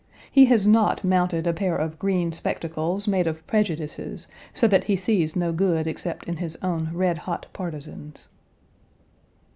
He has not mounted a pair of green spectacles made of prejudices so that he sees no good except in his own red hot partizans.